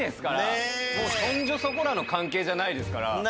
そんじょそこらの関係じゃないですから。